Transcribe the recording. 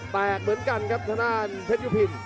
แตกเหมือนกันครับทางด้านเพชรยุพิน